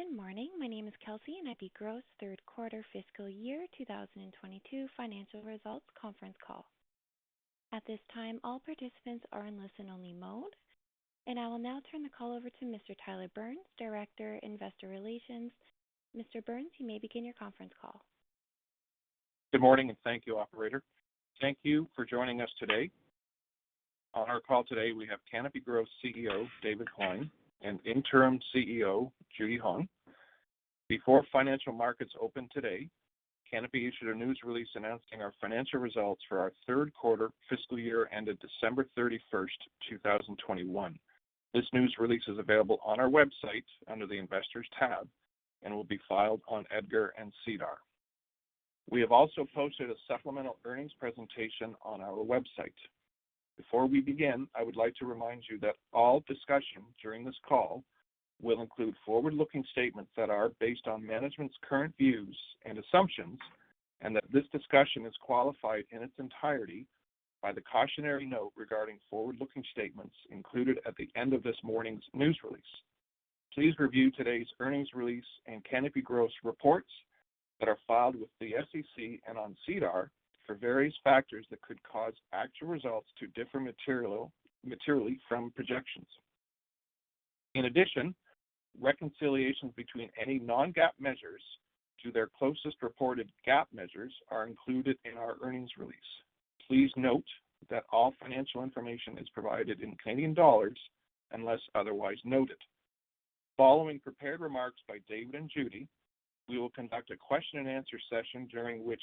Good morning. My name is Kelsey, and I'll be hosting the third quarter fiscal year 2022 financial results conference call. At this time, all participants are in listen-only mode. I will now turn the call over to Mr. Tyler Burns, Director, Investor Relations. Mr. Burns, you may begin your conference call. Good morning, and thank you, operator. Thank you for joining us today. On our call today, we have Canopy Growth CEO, David Klein, and Interim CFO, Judy Hong. Before financial markets open today, Canopy issued a news release announcing our financial results for our third quarter fiscal year ended December 31, 2021. This news release is available on our website under the Investors tab and will be filed on EDGAR and SEDAR. We have also posted a supplemental earnings presentation on our website. Before we begin, I would like to remind you that all discussions during this call will include forward-looking statements that are based on management's current views and assumptions, and that this discussion is qualified in its entirety by the cautionary note regarding forward-looking statements included at the end of this morning's news release. Please review today's earnings release and Canopy Growth reports that are filed with the SEC and on SEDAR for various factors that could cause actual results to differ materially from projections. In addition, reconciliations between any non-GAAP measures to their closest reported GAAP measures are included in our earnings release. Please note that all financial information is provided in Canadian dollars unless otherwise noted. Following prepared remarks by David and Judy, we will conduct a question-and-answer session during which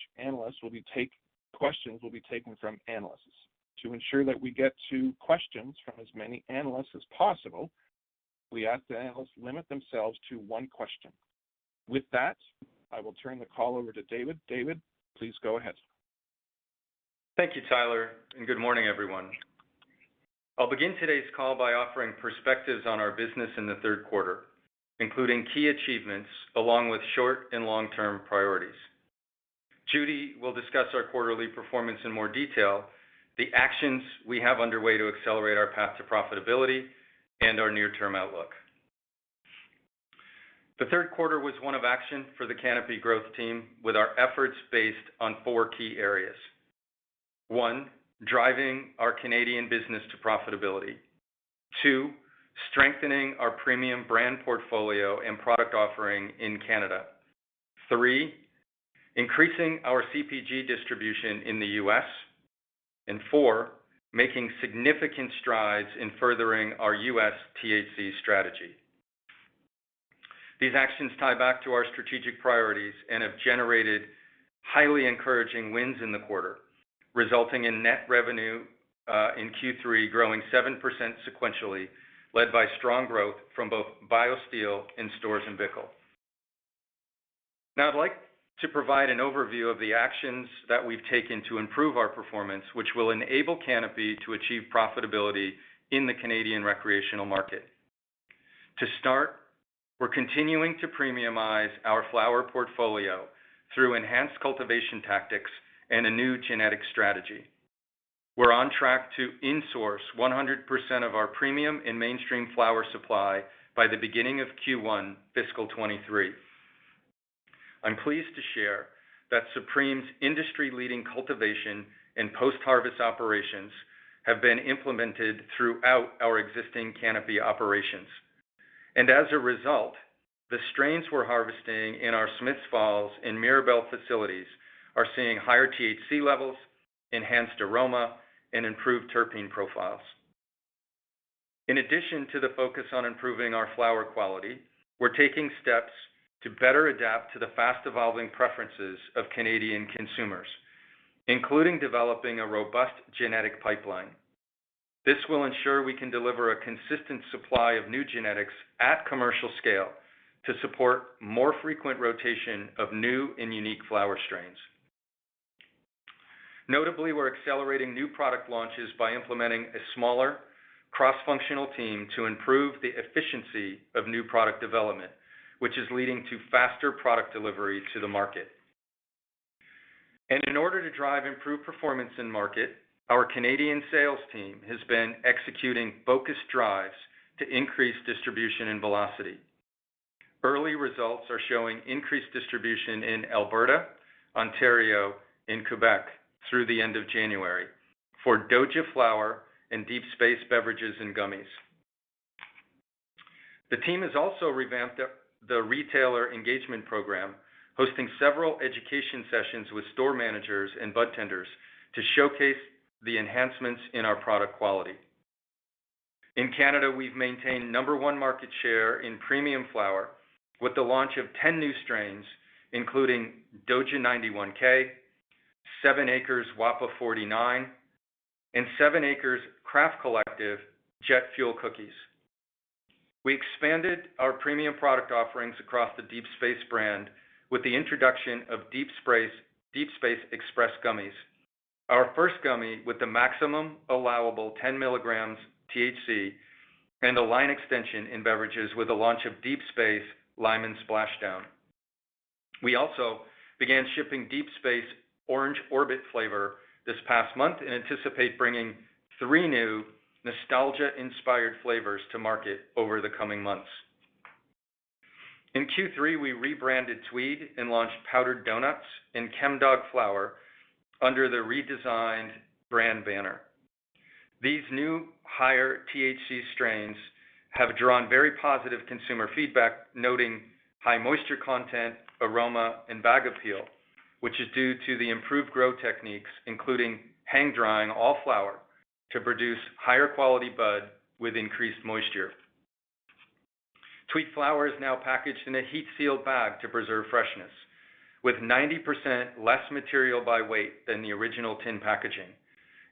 questions will be taken from analysts. To ensure that we get to questions from as many analysts as possible, we ask the analysts limit themselves to one question. With that, I will turn the call over to David. David, please go ahead. Thank you, Tyler, and good morning, everyone. I'll begin today's call by offering perspectives on our business in the third quarter, including key achievements along with short and long-term priorities. Judy will discuss our quarterly performance in more detail, the actions we have underway to accelerate our path to profitability and our near-term outlook. The third quarter was one of action for the Canopy Growth team, with our efforts based on four key areas. One, driving our Canadian business to profitability. Two, strengthening our premium brand portfolio and product offering in Canada. Three, increasing our CPG distribution in the U.S. And four, making significant strides in furthering our U.S. THC strategy. These actions tie back to our strategic priorities and have generated highly encouraging wins in the quarter, resulting in net revenue in Q3 growing 7% sequentially, led by strong growth from both BioSteel in Storz & Bickel. Now, I'd like to provide an overview of the actions that we've taken to improve our performance, which will enable Canopy to achieve profitability in the Canadian recreational market. To start, we're continuing to premiumize our flower portfolio through enhanced cultivation tactics and a new genetic strategy. We're on track to insource 100% of our premium and mainstream flower supply by the beginning of Q1 fiscal 2023. I'm pleased to share that Supreme's industry-leading cultivation and post-harvest operations have been implemented throughout our existing Canopy operations. As a result, the strains we're harvesting in our Smiths Falls and Mirabel facilities are seeing higher THC levels, enhanced aroma, and improved terpene profiles. In addition to the focus on improving our flower quality, we're taking steps to better adapt to the fast-evolving preferences of Canadian consumers, including developing a robust genetic pipeline. This will ensure we can deliver a consistent supply of new genetics at commercial scale to support more frequent rotation of new and unique flower strains. Notably, we're accelerating new product launches by implementing a smaller cross-functional team to improve the efficiency of new product development, which is leading to faster product delivery to the market. In order to drive improved performance in market, our Canadian sales team has been executing focused drives to increase distribution and velocity. Early results are showing increased distribution in Alberta, Ontario, and Quebec through the end of January for Doja flower and Deep Space beverages and gummies. The team has also revamped the retailer engagement program, hosting several education sessions with store managers and budtenders to showcase the enhancements in our product quality. In Canada, we've maintained number one market share in premium flower with the launch of 10 new strains, including Doja 91K, 7ACRES Wappa 49, and 7ACRES Craft Collective Jet Fuel Cookies. We expanded our premium product offerings across the Deep Space brand with the introduction of Deep Space XPRESS Gummies. Our first gummy with the maximum allowable 10 milligrams THC and a line extension in beverages with the launch of Deep Space Limon Splashdown. We also began shipping Deep Space Orange Orbit flavor this past month and anticipate bringing three new nostalgia-inspired flavors to market over the coming months. In Q3, we rebranded Tweed and launched Powdered Donuts in Chemdawg flower under the redesigned brand banner. These new higher THC strains have drawn very positive consumer feedback, noting high moisture content, aroma, and bag appeal, which is due to the improved grow techniques, including hang-drying all flower to produce higher quality bud with increased moisture. Tweed flower is now packaged in a heat-sealed bag to preserve freshness, with 90% less material by weight than the original tin packaging,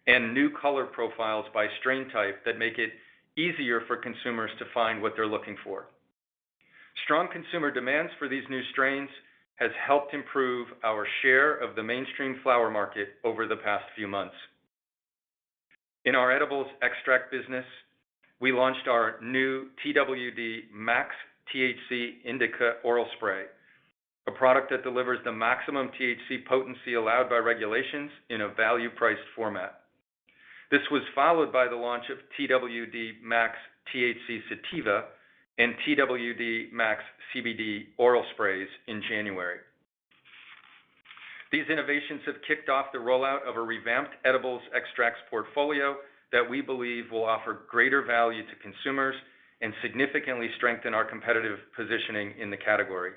and new color profiles by strain type that make it easier for consumers to find what they're looking for. Strong consumer demands for these new strains has helped improve our share of the mainstream flower market over the past few months. In our edibles and extracts business, we launched our new Twd. Max THC Indica oral spray, a product that delivers the maximum THC potency allowed by regulations in a value-priced format. This was followed by the launch of Twd. Max THC Sativa and Twd. Max CBD oral sprays in January. These innovations have kicked off the rollout of a revamped edibles and extracts portfolio that we believe will offer greater value to consumers and significantly strengthen our competitive positioning in the category.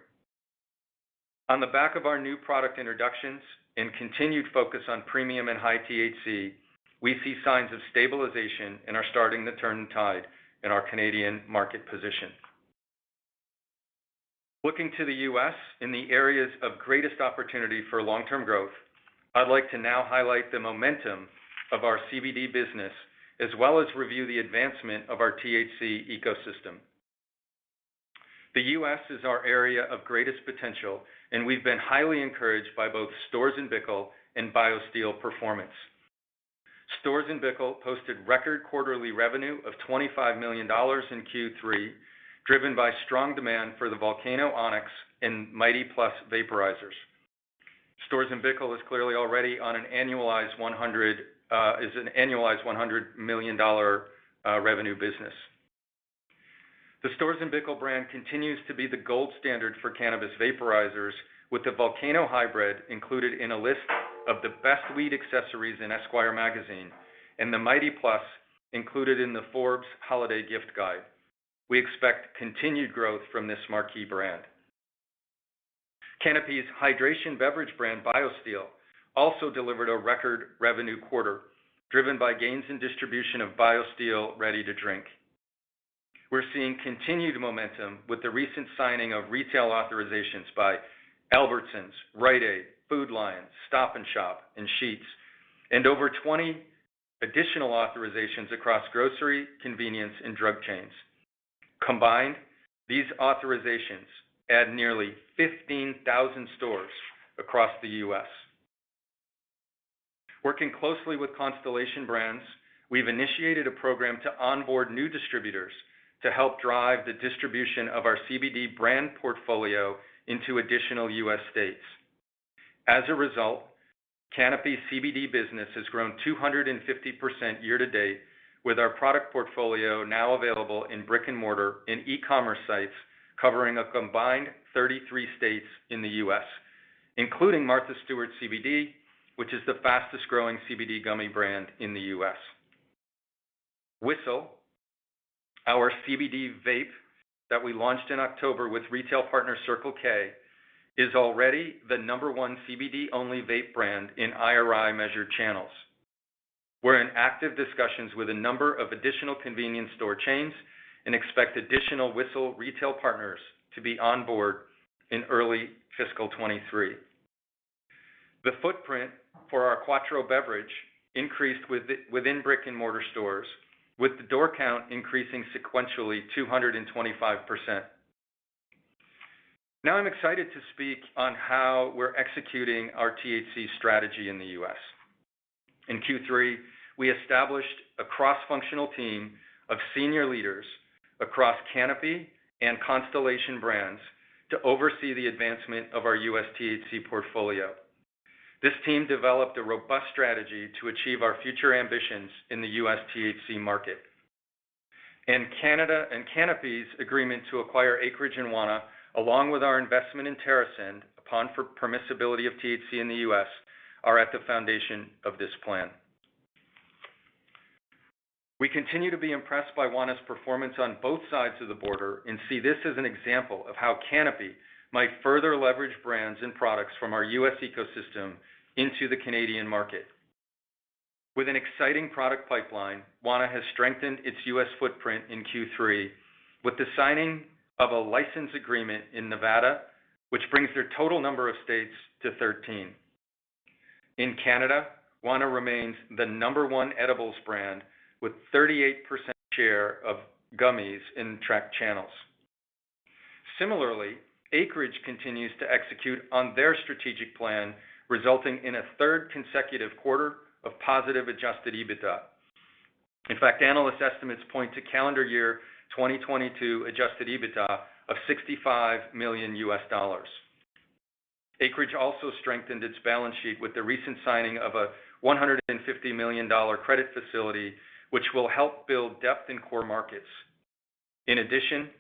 On the back of our new product introductions and continued focus on premium and high THC, we see signs of stabilization and are starting to turn the tide in our Canadian market position. Looking to the U.S. in the areas of greatest opportunity for long-term growth, I'd like to now highlight the momentum of our CBD business, as well as review the advancement of our THC ecosystem. The U.S. is our area of greatest potential, and we've been highly encouraged by both Storz & Bickel and BioSteel performance. Storz & Bickel posted record quarterly revenue of $25 million in Q3, driven by strong demand for the VOLCANO ONYX and MIGHTY+ vaporizers. Storz & Bickel is clearly already an annualized $100 million revenue business. The Storz & Bickel brand continues to be the gold standard for cannabis vaporizers, with the Volcano Hybrid included in a list of the best weed accessories in Esquire Magazine and the MIGHTY+ included in the Forbes Holiday Gift Guide. We expect continued growth from this marquee brand. Canopy's hydration beverage brand, BioSteel, also delivered a record revenue quarter, driven by gains in distribution of BioSteel ready to drink. We're seeing continued momentum with the recent signing of retail authorizations by Albertsons, Rite Aid, Food Lion, Stop & Shop, and Sheetz, and over 20 additional authorizations across grocery, convenience, and drug chains. Combined, these authorizations add nearly 15,000 stores across the U.S. Working closely with Constellation Brands, we've initiated a program to onboard new distributors to help drive the distribution of our CBD brand portfolio into additional U.S. states. As a result, Canopy's CBD business has grown 250% year to date, with our product portfolio now available in brick-and-mortar and e-commerce sites covering a combined 33 states in the U.S., including Martha Stewart CBD, which is the fastest-growing CBD gummy brand in the U.S. whisl, our CBD vape that we launched in October with retail partner Circle K, is already the number one CBD-only vape brand in IRI measured channels. We're in active discussions with a number of additional convenience store chains and expect additional whisl retail partners to be on board in early fiscal 2023. The footprint for our Quatreau beverage increased within brick-and-mortar stores, with the door count increasing sequentially 225%. Now I'm excited to speak on how we're executing our THC strategy in the U.S. In Q3, we established a cross-functional team of senior leaders across Canopy and Constellation Brands to oversee the advancement of our U.S. THC portfolio. This team developed a robust strategy to achieve our future ambitions in the U.S. THC market. Canada and Canopy's agreement to acquire Acreage and Wana, along with our investment in TerrAscend upon federal permissibility of THC in the U.S., are at the foundation of this plan. We continue to be impressed by Wana's performance on both sides of the border and see this as an example of how Canopy might further leverage brands and products from our U.S. ecosystem into the Canadian market. With an exciting product pipeline, Wana has strengthened its U.S. footprint in Q3 with the signing of a license agreement in Nevada, which brings their total number of states to 13. In Canada, Wana remains the number one edibles brand with 38% share of gummies in tracked channels. Similarly, Acreage continues to execute on their strategic plan, resulting in a third consecutive quarter of positive adjusted EBITDA. In fact, analyst estimates point to calendar year 2022 adjusted EBITDA of $65 million. Acreage also strengthened its balance sheet with the recent signing of a $150 million credit facility, which will help build depth in core markets. In addition,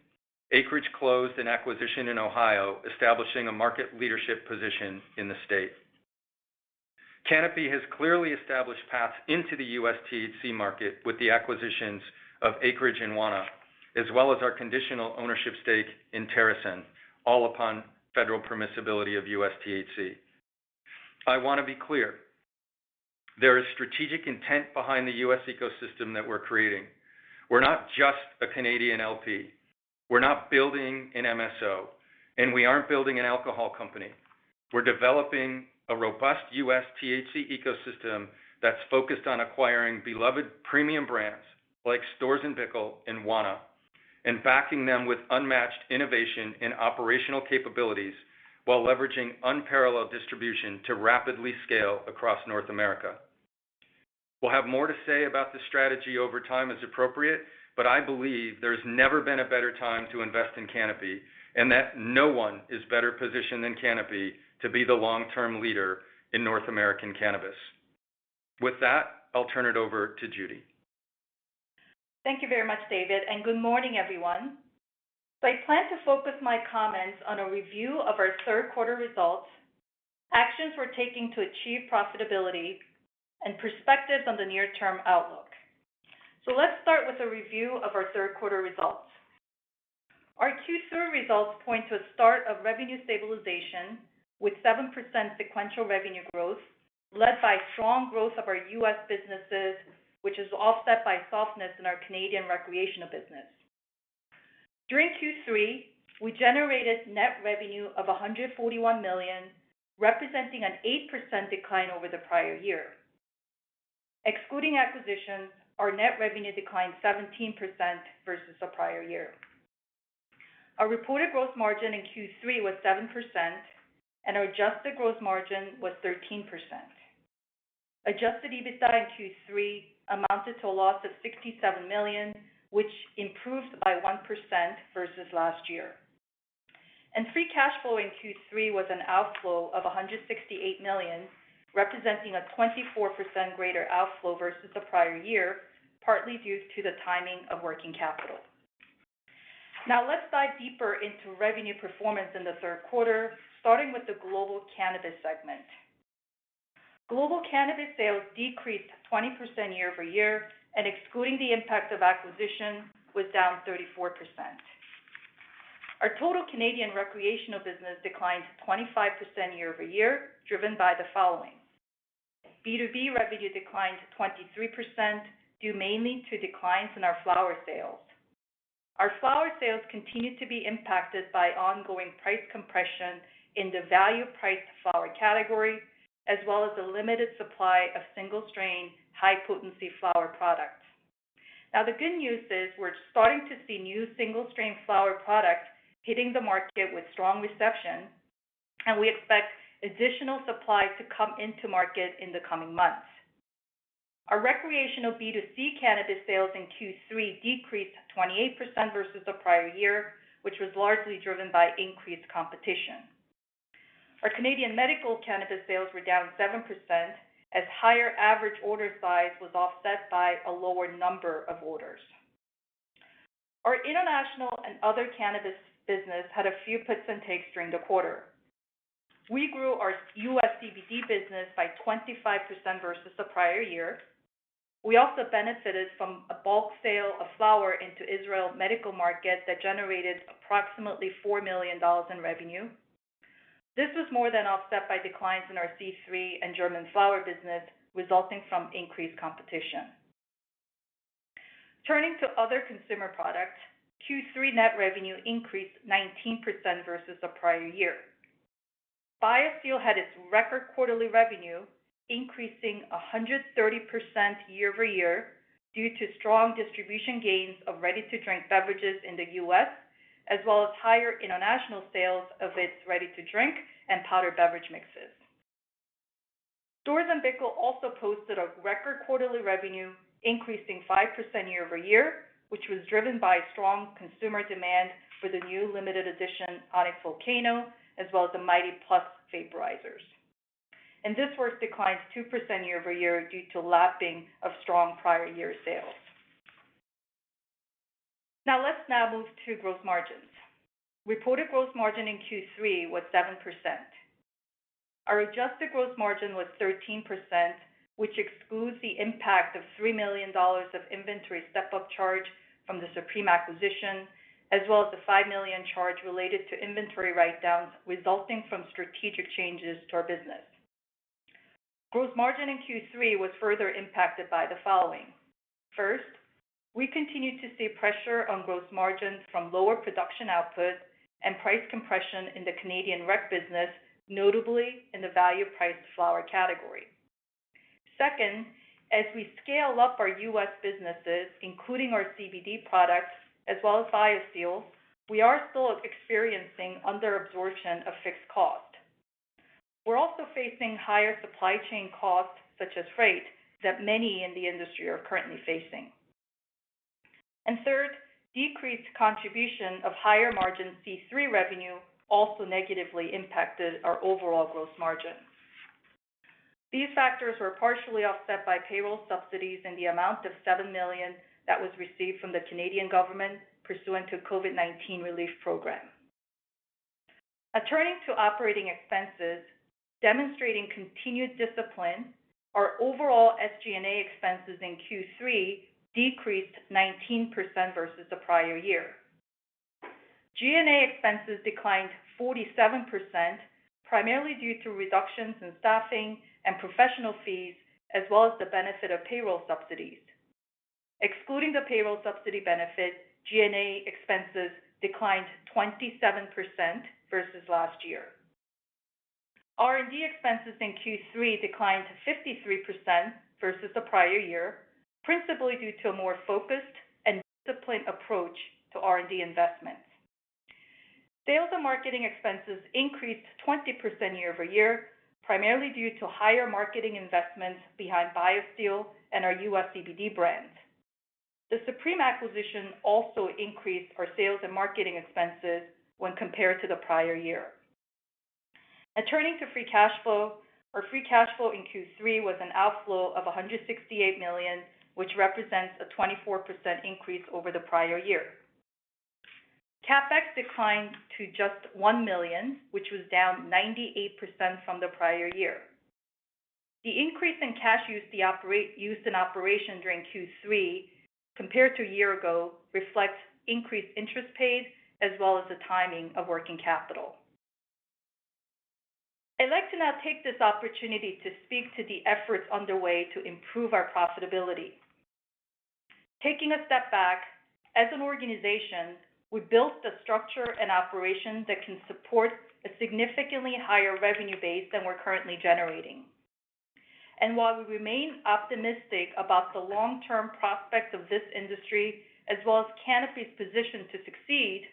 Acreage closed an acquisition in Ohio, establishing a market leadership position in the state. Canopy has clearly established paths into the U.S. THC market with the acquisitions of Acreage and Wana, as well as our conditional ownership stake in TerrAscend, all upon federal permissibility of U.S. THC. I want to be clear. There is strategic intent behind the U.S. ecosystem that we're creating. We're not just a Canadian LP. We're not building an MSO, and we aren't building an alcohol company. We're developing a robust US THC ecosystem that's focused on acquiring beloved premium brands like Storz & Bickel and Wana and backing them with unmatched innovation and operational capabilities while leveraging unparalleled distribution to rapidly scale across North America. We'll have more to say about the strategy over time as appropriate, but I believe there's never been a better time to invest in Canopy and that no one is better positioned than Canopy to be the long-term leader in North American cannabis. With that, I'll turn it over to Judy. Thank you very much, David, and good morning, everyone. I plan to focus my comments on a review of our third quarter results, actions we're taking to achieve profitability, and perspectives on the near-term outlook. Let's start with a review of our third quarter results. Our Q3 results point to a start of revenue stabilization with 7% sequential revenue growth led by strong growth of our U.S. businesses, which is offset by softness in our Canadian recreational business. During Q3, we generated net revenue of 141 million, representing an 8% decline over the prior year. Excluding acquisitions, our net revenue declined 17% versus the prior year. Our reported gross margin in Q3 was 7%, and our adjusted gross margin was 13%. Adjusted EBITDA in Q3 amounted to a loss of 67 million, which improved by 1% versus last year. Free cash flow in Q3 was an outflow of 168 million, representing a 24% greater outflow versus the prior year, partly due to the timing of working capital. Now let's dive deeper into revenue performance in the third quarter, starting with the global cannabis segment. Global cannabis sales decreased 20% year-over-year, and excluding the impact of acquisition, was down 34%. Our total Canadian recreational business declined 25% year-over-year, driven by the following. B2B revenue declined 23% due mainly to declines in our flower sales. Our flower sales continued to be impacted by ongoing price compression in the value priced flower category, as well as the limited supply of single-strain, high-potency flower products. Now, the good news is we're starting to see new single-strain flower products hitting the market with strong reception, and we expect additional supply to come into market in the coming months. Our recreational B2C cannabis sales in Q3 decreased 28% versus the prior year, which was largely driven by increased competition. Our Canadian medical cannabis sales were down 7% as higher average order size was offset by a lower number of orders. Our international and other cannabis business had a few puts and takes during the quarter. We grew our U.S. CBD business by 25% versus the prior year. We also benefited from a bulk sale of flower into Israel medical market that generated approximately 4 million dollars in revenue. This was more than offset by declines in our C³ and German flower business, resulting from increased competition. Turning to other consumer products, Q3 net revenue increased 19% versus the prior year. BioSteel had its record quarterly revenue increasing 130% year-over-year due to strong distribution gains of ready-to-drink beverages in the U.S., as well as higher international sales of its ready-to-drink and powder beverage mixes. Storz & Bickel also posted a record quarterly revenue, increasing 5% year-over-year, which was driven by strong consumer demand for the new limited edition VOLCANO ONYX, as well as the MIGHTY+ vaporizers. Whisl declines 2% year-over-year due to lapping of strong prior year sales. Now let's move to gross margins. Reported gross margin in Q3 was 7%. Our adjusted gross margin was 13%, which excludes the impact of 3 million dollars of inventory step-up charge from the Supreme acquisition, as well as the 5 million charge related to inventory write-downs resulting from strategic changes to our business. Gross margin in Q3 was further impacted by the following. First, we continued to see pressure on gross margins from lower production output and price compression in the Canadian rec business, notably in the value priced flower category. Second, as we scale up our U.S. businesses, including our CBD products as well as BioSteel, we are still experiencing under absorption of fixed cost. We're also facing higher supply chain costs, such as freight, that many in the industry are currently facing. Third, decreased contribution of higher margin C³ revenue also negatively impacted our overall gross margin. These factors were partially offset by payroll subsidies in the amount of 7 million that was received from the Canadian government pursuant to COVID-19 relief program. Now turning to operating expenses, demonstrating continued discipline, our overall SG&A expenses in Q3 decreased 19% versus the prior year. G&A expenses declined 47%, primarily due to reductions in staffing and professional fees, as well as the benefit of payroll subsidies. Excluding the payroll subsidy benefit, G&A expenses declined 27% versus last year. R&D expenses in Q3 declined 53% versus the prior year, principally due to a more focused and disciplined approach to R&D investments. Sales and marketing expenses increased 20% year-over-year, primarily due to higher marketing investments behind BioSteel and our U.S. CBD brands. The Supreme acquisition also increased our sales and marketing expenses when compared to the prior year. Now turning to free cash flow. Our free cash flow in Q3 was an outflow of 168 million, which represents a 24% increase over the prior year. CapEx declined to just 1 million, which was down 98% from the prior year. The increase in cash used in operations during Q3 compared to a year ago reflects increased interest paid, as well as the timing of working capital. I'd like to now take this opportunity to speak to the efforts underway to improve our profitability. Taking a step back, as an organization, we built the structure and operations that can support a significantly higher revenue base than we're currently generating. While we remain optimistic about the long-term prospects of this industry, as well as Canopy's position to succeed,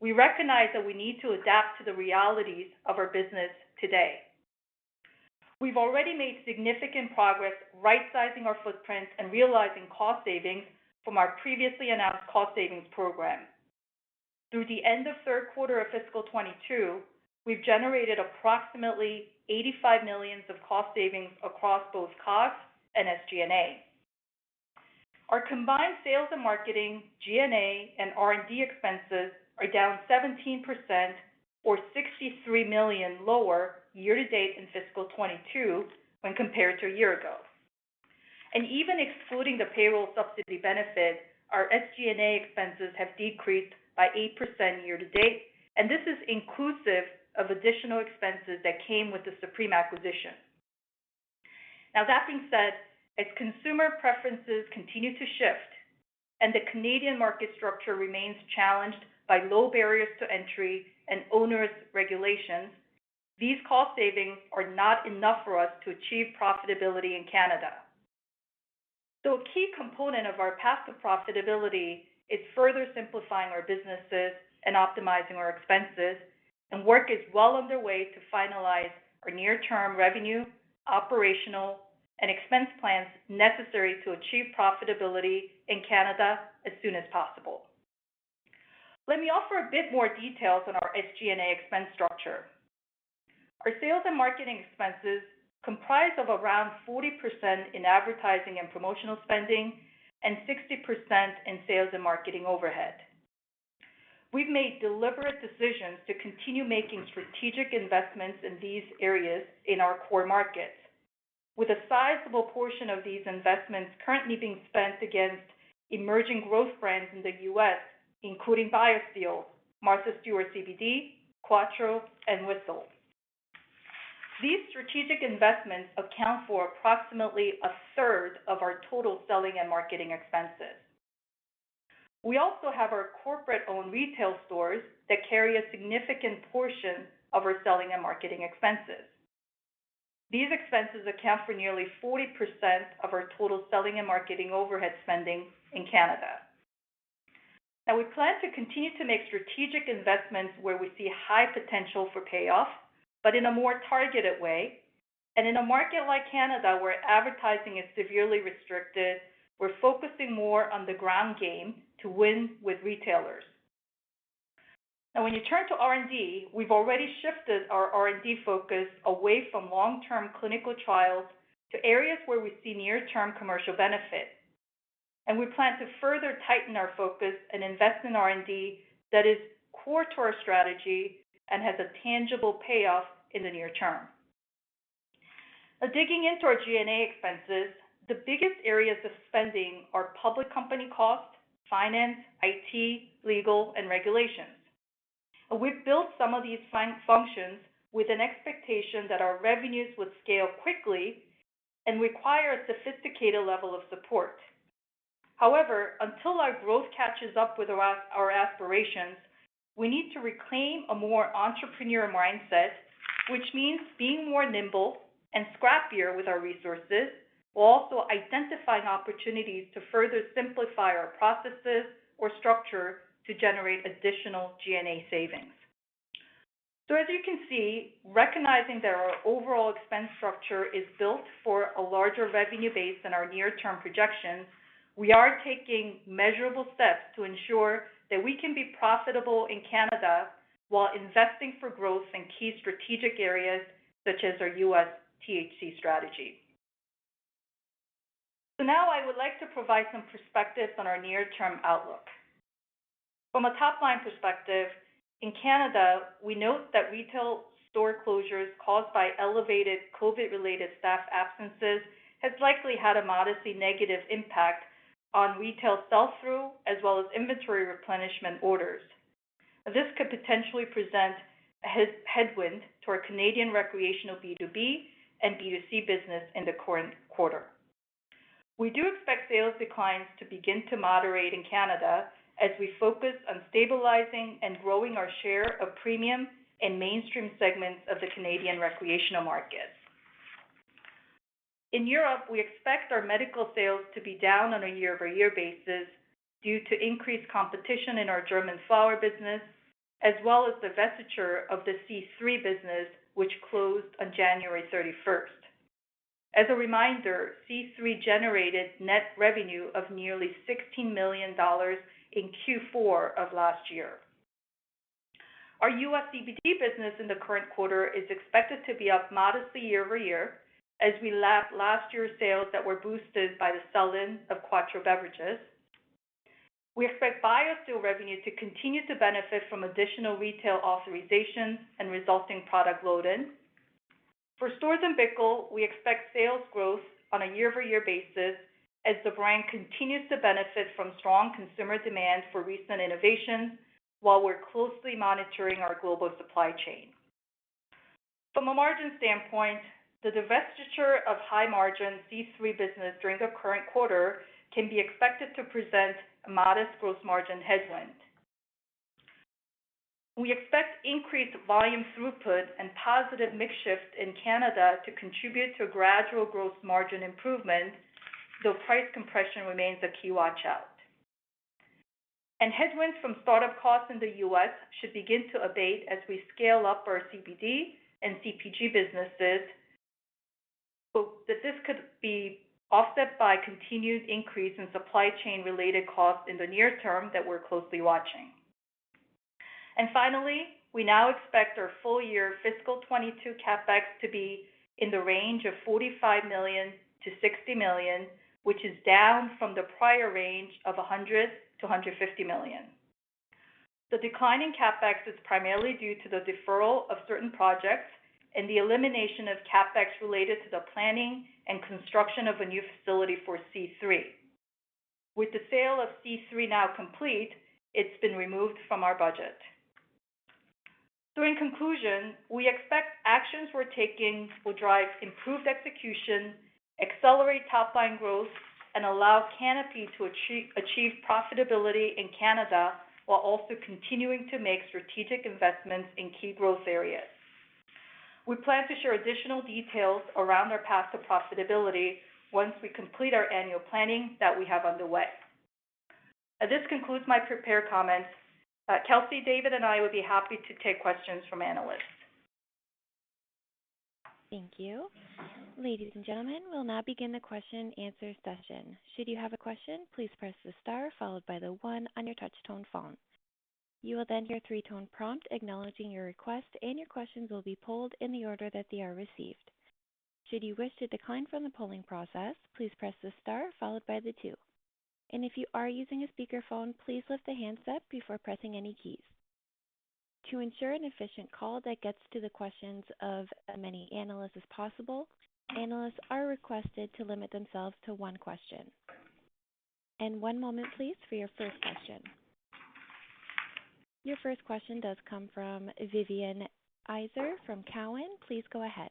we recognize that we need to adapt to the realities of our business today. We've already made significant progress rightsizing our footprint and realizing cost savings from our previously announced cost savings program. Through the end of third quarter of fiscal 2022, we've generated approximately 85 million of cost savings across both COGS and SG&A. Our combined sales and marketing, G&A, and R&D expenses are down 17% or 63 million lower year to date in fiscal 2022 when compared to a year ago. Even excluding the payroll subsidy benefit, our SG&A expenses have decreased by 8% year to date, and this is inclusive of additional expenses that came with the Supreme acquisition. Now that being said, as consumer preferences continue to shift and the Canadian market structure remains challenged by low barriers to entry and onerous regulations, these cost savings are not enough for us to achieve profitability in Canada. A key component of our path to profitability is further simplifying our businesses and optimizing our expenses, and work is well underway to finalize our near-term revenue, operational, and expense plans necessary to achieve profitability in Canada as soon as possible. Let me offer a bit more details on our SG&A expense structure. Our sales and marketing expenses comprise of around 40% in advertising and promotional spending and 60% in sales and marketing overhead. We've made deliberate decisions to continue making strategic investments in these areas in our core markets. With a sizable portion of these investments currently being spent against emerging growth brands in the U.S., including BioSteel, Martha Stewart CBD, Quatreau, and whisl. These strategic investments account for approximately a third of our total selling and marketing expenses. We also have our corporate-owned retail stores that carry a significant portion of our selling and marketing expenses. These expenses account for nearly 40% of our total selling and marketing overhead spending in Canada. Now we plan to continue to make strategic investments where we see high potential for payoff, but in a more targeted way. In a market like Canada, where advertising is severely restricted, we're focusing more on the ground game to win with retailers. Now when you turn to R&D, we've already shifted our R&D focus away from long-term clinical trials to areas where we see near-term commercial benefit, and we plan to further tighten our focus and invest in R&D that is core to our strategy and has a tangible payoff in the near term. Now digging into our G&A expenses, the biggest areas of spending are public company costs, finance, IT, legal, and regulations. We've built some of these functions with an expectation that our revenues would scale quickly and require a sophisticated level of support. However, until our growth catches up with our aspirations, we need to reclaim a more entrepreneurial mindset, which means being more nimble and scrappier with our resources, while also identifying opportunities to further simplify our processes or structure to generate additional G&A savings. As you can see, recognizing that our overall expense structure is built for a larger revenue base than our near-term projections, we are taking measurable steps to ensure that we can be profitable in Canada while investing for growth in key strategic areas such as our U.S. THC strategy. Now I would like to provide some perspective on our near-term outlook. From a top-line perspective, in Canada, we note that retail store closures caused by elevated COVID-related staff absences has likely had a modestly negative impact on retail sell-through as well as inventory replenishment orders. This could potentially present a headwind to our Canadian recreational B2B and B2C business in the current quarter. We do expect sales declines to begin to moderate in Canada as we focus on stabilizing and growing our share of premium and mainstream segments of the Canadian recreational market. In Europe, we expect our medical sales to be down on a year-over-year basis due to increased competition in our German flower business, as well as the divestiture of the C³ business which closed on January 31st. As a reminder, C³ generated net revenue of nearly 16 million dollars in Q4 of last year. Our U.S. CBD business in the current quarter is expected to be up modestly year-over-year as we lap last year's sales that were boosted by the sell-in of Quatreau beverages. We expect BioSteel revenue to continue to benefit from additional retail authorizations and resulting product load-in. For Storz & Bickel, we expect sales growth on a year-over-year basis as the brand continues to benefit from strong consumer demand for recent innovations while we're closely monitoring our global supply chain. From a margin standpoint, the divestiture of high-margin C³ business during the current quarter can be expected to present a modest gross margin headwind. We expect increased volume throughput and positive mix shift in Canada to contribute to a gradual gross margin improvement, though price compression remains a key watch out. Headwinds from startup costs in the U.S. should begin to abate as we scale up our CBD and CPG businesses. That this could be offset by continued increase in supply chain related costs in the near term that we're closely watching. Finally, we now expect our full-year FY 2022 CapEx to be in the range of 45 million-60 million, which is down from the prior range of 100 million-150 million. The decline in CapEx is primarily due to the deferral of certain projects and the elimination of CapEx related to the planning and construction of a new facility for C³. With the sale of C³ now complete, it's been removed from our budget. In conclusion, we expect actions we're taking will drive improved execution, accelerate top line growth, and allow Canopy to achieve profitability in Canada while also continuing to make strategic investments in key growth areas. We plan to share additional details around our path to profitability once we complete our annual planning that we have underway. This concludes my prepared comments. Kelsey, David, and I would be happy to take questions from analysts. Thank you. Ladies and gentlemen, we'll now begin the question and answer session. Should you have a question, please press the star followed by one on your touch tone phone. You will then hear a three-tone prompt acknowledging your request, and your questions will be polled in the order that they are received. Should you wish to decline from the polling process, please press the star followed by two. If you are using a speakerphone, please lift the handset before pressing any keys. To ensure an efficient call that gets to the questions of as many analysts as possible, analysts are requested to limit themselves to one question. One moment, please, for your first question. Your first question does come from Vivien Azer from Cowen. Please go ahead.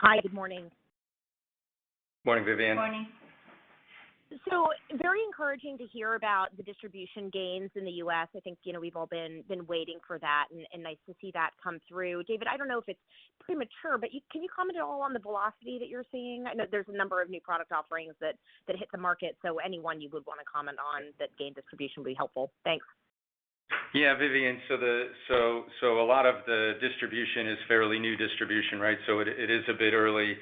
Hi. Good morning. Morning, Vivien. Morning. Very encouraging to hear about the distribution gains in the U.S. I think, you know, we've all been waiting for that and nice to see that come through. David, I don't know if it's premature, but can you comment at all on the velocity that you're seeing? I know there's a number of new product offerings that hit the market, so any one you would wanna comment on that gain distribution would be helpful. Thanks. Yeah, Vivien. A lot of the distribution is fairly new distribution, right? It is a bit early.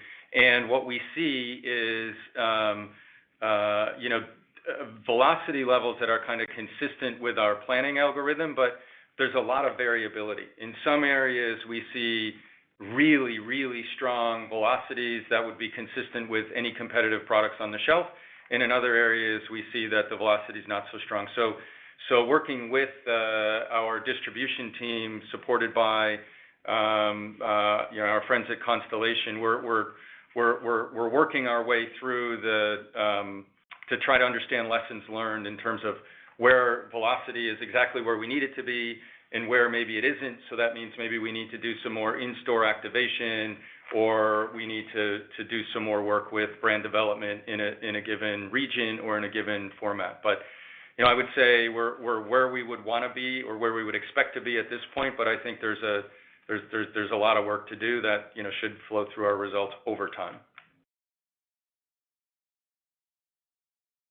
What we see is, you know, velocity levels that are kinda consistent with our planning algorithm, but there's a lot of variability. In some areas, we see really strong velocities that would be consistent with any competitive products on the shelf. In other areas, we see that the velocity is not so strong. Working with our distribution team, supported by, you know, our friends at Constellation, we're working our way through to try to understand lessons learned in terms of where velocity is exactly where we need it to be and where maybe it isn't. That means maybe we need to do some more in-store activation, or we need to do some more work with brand development in a given region or in a given format. You know, I would say we're where we would wanna be or where we would expect to be at this point. I think there's a lot of work to do that, you know, should flow through our results over time.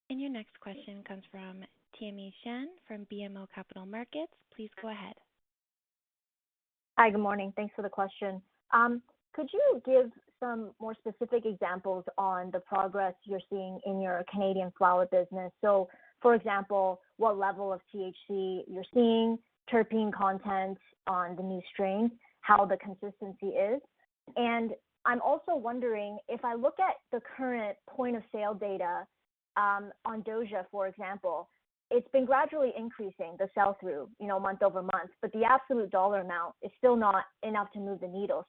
Your next question comes from Tamy Chen from BMO Capital Markets. Please go ahead. Hi, good morning. Thanks for the question. Could you give some more specific examples on the progress you're seeing in your Canadian flower business? For example, what level of THC you're seeing, terpene content on the new strains, how the consistency is. I'm also wondering if I look at the current point of sale data, on Doja, for example, it's been gradually increasing the sell-through, you know, month-over-month, but the absolute dollar amount is still not enough to move the needle.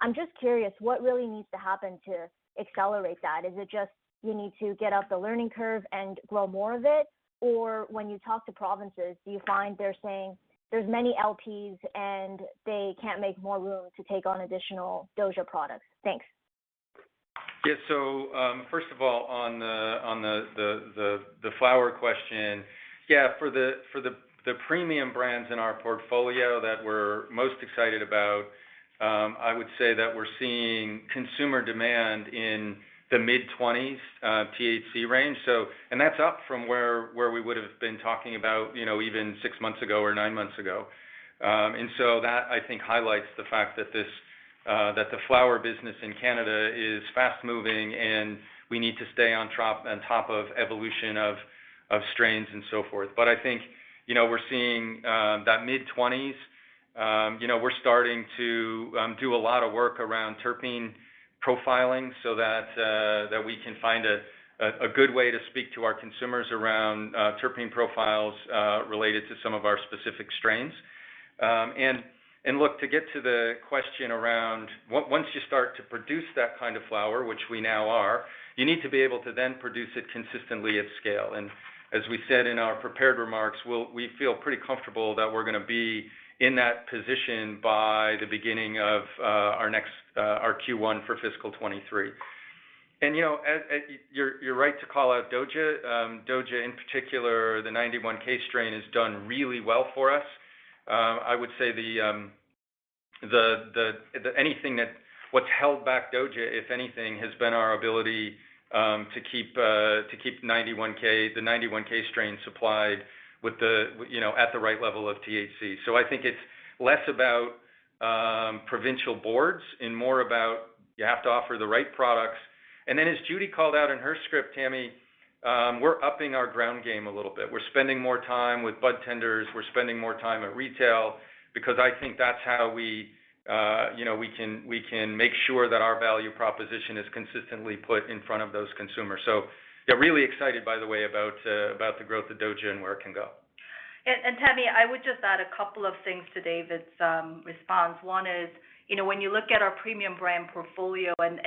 I'm just curious, what really needs to happen to accelerate that? Is it just you need to get up the learning curve and grow more of it? Or when you talk to provinces, do you find they're saying there's many LPs, and they can't make more room to take on additional Doja products? Thanks. Yeah. First of all, on the flower question. Yeah, for the premium brands in our portfolio that we're most excited about, I would say that we're seeing consumer demand in the mid-20s THC range. And that's up from where we would've been talking about, you know, even six months ago or nine months ago. I think that highlights the fact that the flower business in Canada is fast-moving, and we need to stay on top of evolution of strains and so forth. I think, you know, we're seeing that mid-twenties, you know, we're starting to do a lot of work around terpene profiling so that we can find a good way to speak to our consumers around terpene profiles related to some of our specific strains. Look, to get to the question around once you start to produce that kind of flower, which we now are. You need to be able to then produce it consistently at scale. As we said in our prepared remarks, we feel pretty comfortable that we're gonna be in that position by the beginning of our Q1 for fiscal 2023. You are right to call out Doja. Doja in particular, the 91K strain has done really well for us. I would say what's held back Doja, if anything, has been our ability to keep 91K, the 91K strain supplied with, you know, at the right level of THC. I think it's less about provincial boards and more about you have to offer the right products. As Judy called out in her script, Tamy, we're upping our ground game a little bit. We're spending more time with budtenders. We're spending more time at retail because I think that's how we, you know, we can make sure that our value proposition is consistently put in front of those consumers. Yeah, really excited, by the way, about the growth of Doja and where it can go. Tammy, I would just add a couple of things to David's response. One is, you know, when you look at our premium brand portfolio and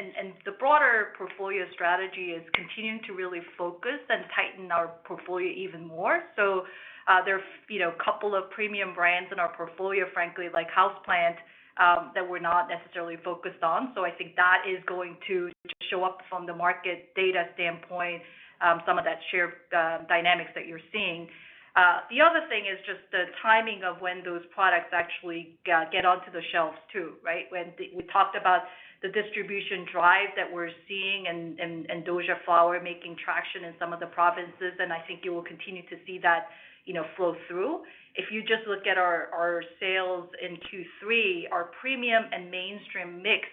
the broader portfolio strategy is continuing to really focus and tighten our portfolio even more. There are, you know, couple of premium brands in our portfolio, frankly, like Houseplant, that we're not necessarily focused on. I think that is going to show up from the market data standpoint, some of that share dynamics that you're seeing. The other thing is just the timing of when those products actually get onto the shelves too, right? We talked about the distribution drive that we're seeing and Doja flower making traction in some of the provinces, and I think you will continue to see that, you know, flow through. If you just look at our sales in Q3, our premium and mainstream mix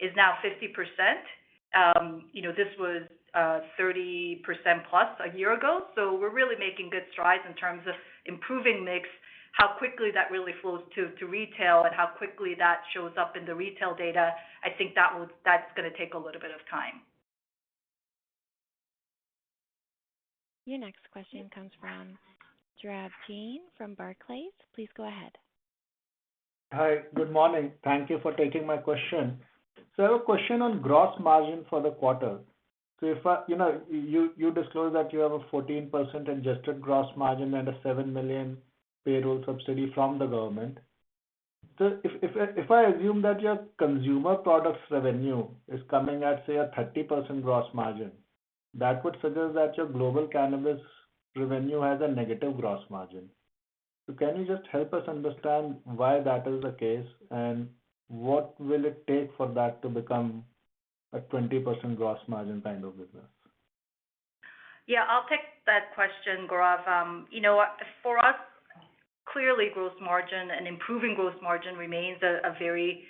is now 50%. You know, this was 30% plus a year ago. We're really making good strides in terms of improving mix, how quickly that really flows to retail, and how quickly that shows up in the retail data. I think that's gonna take a little bit of time. Your next question comes from Gaurav Jain from Barclays. Please go ahead. Hi. Good morning. Thank you for taking my question. I have a question on gross margin for the quarter. If I you know, you disclose that you have a 14% adjusted gross margin and a 7 million payroll subsidy from the government. If I assume that your consumer products revenue is coming at, say, a 30% gross margin, that would figure that your global cannabis revenue has a negative gross margin. Can you just help us understand why that is the case, and what will it take for that to become a 20% gross margin kind of business? Yeah, I'll take that question, Gaurav. You know what? For us, clearly gross margin and improving gross margin remains a very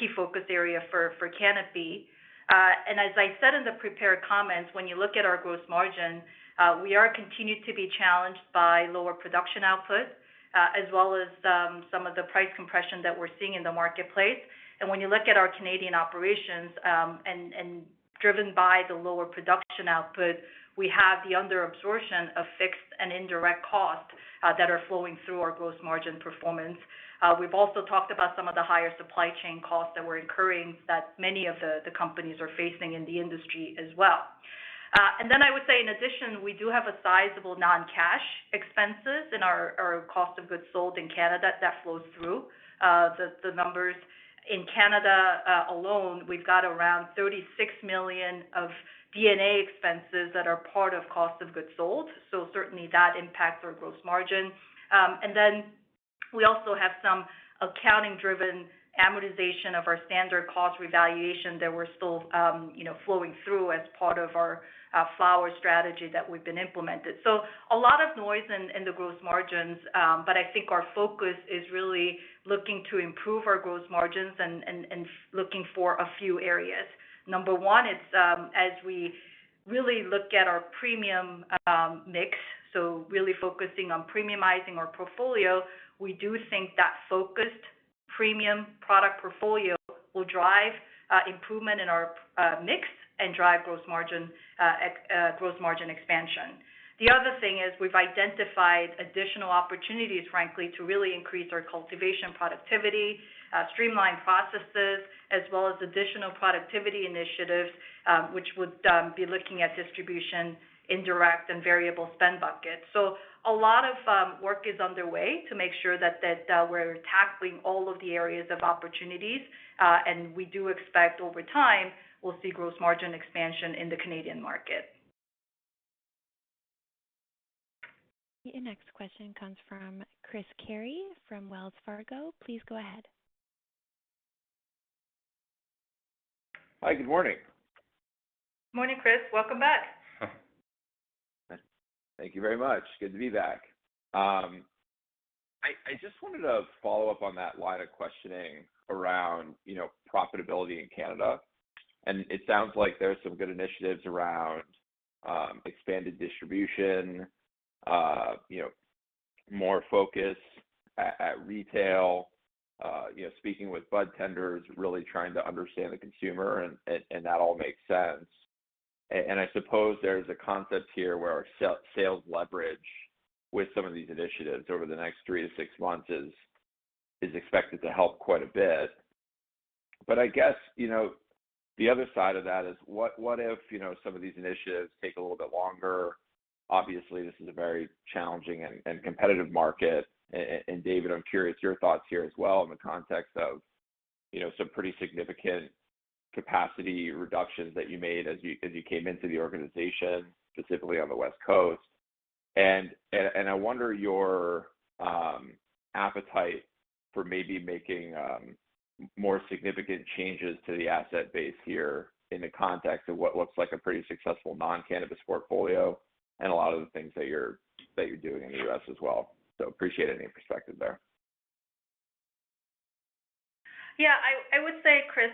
key focus area for Canopy. As I said in the prepared comments, when you look at our gross margin, we continue to be challenged by lower production output, as well as the price compression that we're seeing in the marketplace. When you look at our Canadian operations, driven by the lower production output, we have the under absorption of fixed and indirect costs that are flowing through our gross margin performance. We've also talked about some of the higher supply chain costs that we're incurring that many of the companies are facing in the industry as well. I would say in addition, we do have a sizable non-cash expenses in our cost of goods sold in Canada that flows through the numbers. In Canada alone, we've got around 36 million of D&A expenses that are part of cost of goods sold. Certainly that impacts our gross margin. We also have some accounting-driven amortization of our standard cost revaluation that we're still, you know, flowing through as part of our flower strategy that we've been implemented. A lot of noise in the gross margins, but I think our focus is really looking to improve our gross margins and looking for a few areas. Number one, it's as we really look at our premium mix, so really focusing on premiumizing our portfolio, we do think that focused premium product portfolio will drive improvement in our mix and drive gross margin expansion. The other thing is we've identified additional opportunities, frankly, to really increase our cultivation productivity, streamline processes, as well as additional productivity initiatives, which would be looking at distribution, indirect and variable spend buckets. A lot of work is underway to make sure that we're tackling all of the areas of opportunities, and we do expect over time, we'll see gross margin expansion in the Canadian market. Your next question comes from Chris Carey from Wells Fargo. Please go ahead. Hi. Good morning. Morning, Chris. Welcome back. Thank you very much. Good to be back. I just wanted to follow up on that line of questioning around, you know, profitability in Canada. It sounds like there's some good initiatives around expanded distribution, you know, more focus at retail, you know, speaking with bud tenders, really trying to understand the consumer and that all makes sense. I suppose there's a concept here where our sales leverage with some of these initiatives over the next 3 to 6 months is expected to help quite a bit. I guess, you know, the other side of that is what if, you know, some of these initiatives take a little bit longer? Obviously, this is a very challenging and competitive market. David, I'm curious your thoughts here as well in the context of, you know, some pretty significant capacity reductions that you made as you came into the organization, specifically on the West Coast. I wonder your appetite for maybe making more significant changes to the asset base here in the context of what looks like a pretty successful non-cannabis portfolio and a lot of the things that you're doing in the U.S. as well. Appreciate any perspective there. Yeah. I would say, Chris,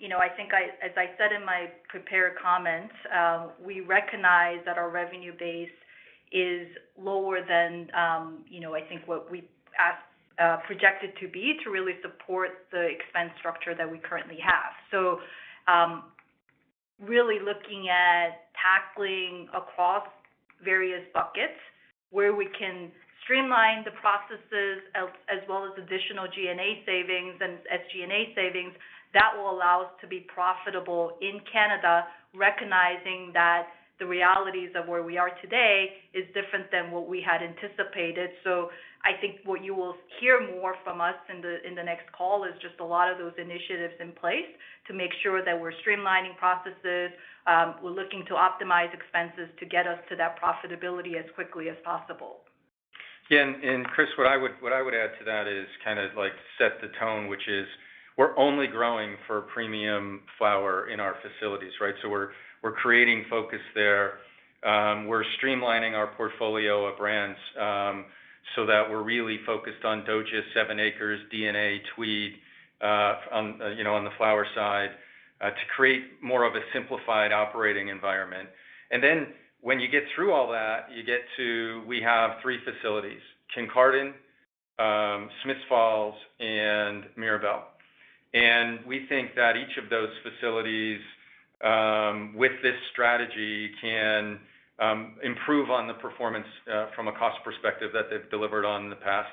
you know, I think as I said in my prepared comments, we recognize that our revenue base is lower than I think what we projected to be to really support the expense structure that we currently have. Really looking at tackling across various buckets where we can streamline the processes as well as additional G&A savings and SG&A savings, that will allow us to be profitable in Canada, recognizing that the realities of where we are today is different than what we had anticipated. I think what you will hear more from us in the next call is just a lot of those initiatives in place to make sure that we're streamlining processes, we're looking to optimize expenses to get us to that profitability as quickly as possible. Yeah. Chris, what I would add to that is kind of like set the tone, which is we're only growing for premium flower in our facilities, right? We're creating focus there. We're streamlining our portfolio of brands, so that we're really focused on Doja, 7ACRES, DNA, Tweed, you know, on the flower side, to create more of a simplified operating environment. When you get through all that, you get to we have three facilities, Kincardine, Smiths Falls, and Mirabel. We think that each of those facilities, with this strategy, can improve on the performance, from a cost perspective that they've delivered on in the past.